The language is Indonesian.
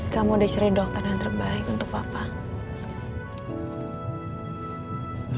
kamu udah cari dokter yang terbaik untuk papa